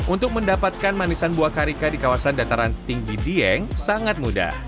untuk mendapatkan manisan buah karika di kawasan dataran tinggi dieng sangat mudah